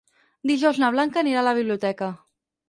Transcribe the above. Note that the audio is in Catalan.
Dijous na Blanca anirà a la biblioteca.